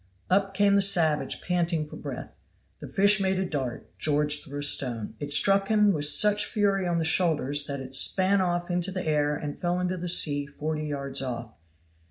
Up came the savage panting for breath. The fish made a dart, George threw a stone; it struck him with such fury on the shoulders that it span off into the air and fell into the sea forty yards off.